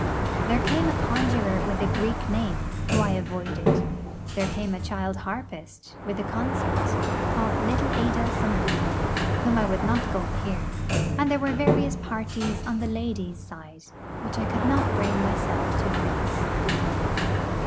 There came a conjuror with a Greek name, whom I avoided; there came a child harpist, with a concert, called little Ada Somebody, whom I would not go and hear; and there were various parties on the 'ladies' side,' which I could not bring myself to face.